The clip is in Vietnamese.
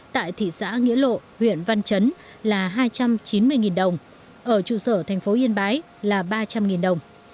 tại thị xã nghĩa lộ huyện văn chấn là hai trăm chín mươi đồng ở trụ sở thành phố yên bái là ba trăm linh đồng